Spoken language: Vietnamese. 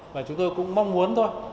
và chúng tôi cũng mong muốn thôi